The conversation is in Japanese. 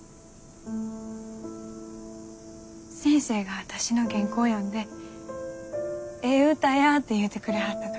先生が私の原稿読んでええ歌やって言うてくれはった時。